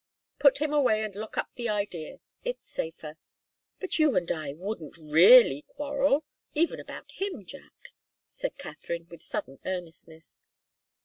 Put him away and lock up the idea. It's safer." "But you and I wouldn't really quarrel even about him, Jack," said Katharine, with sudden earnestness.